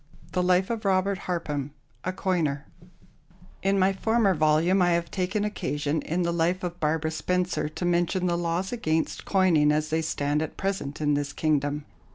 The Life of ROBERT HARPHAM, a Coiner In my former volume I have taken occasion, in the life of Barbara Spencer, to mention the laws against coining as they stand at present in this kingdom.